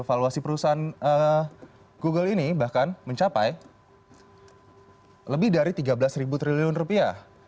valuasi perusahaan google ini bahkan mencapai lebih dari tiga belas triliun rupiah